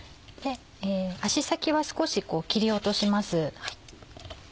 足先は少し切り落とします。